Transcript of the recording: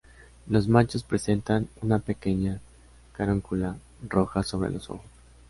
Los machos presentan una pequeña carúncula roja sobre los ojos.